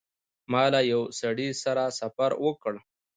ما له یوه سړي سره سفر وکړ.